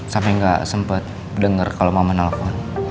sampai gak sempet denger kalau mama nelfon